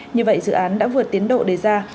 như vậy dự án đã vượt tiến độ đề ra